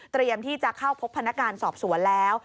เตรียมที่จะเข้าพบพนักการณ์สอบสวนแล้ว